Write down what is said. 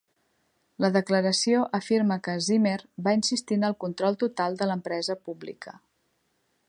La declaració afirma que Zimmer va insistir en el control total de l'empresa pública.